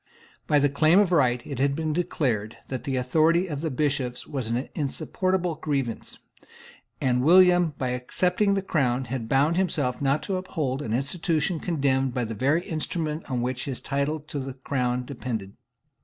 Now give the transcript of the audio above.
By the Claim of Right it had been declared that the authority of Bishops was an insupportable grievance; and William, by accepting the Crown, had bound himself not to uphold an institution condemned by the very instrument on which his title to the Crown depended.